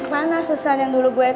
mana susan yang dulu gue nambah